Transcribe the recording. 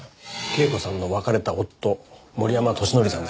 恵子さんの別れた夫森山敏則さんです。